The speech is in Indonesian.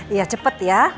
iya cepet ya